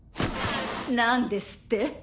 何ですって？